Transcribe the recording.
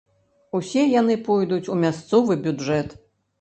Усе яны пойдуць у мясцовы бюджэт.